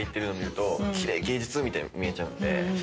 みたいに見えちゃうんで。